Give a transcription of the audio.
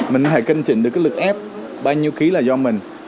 mình phải cân chỉnh được cái lực ép bao nhiêu ký là do mình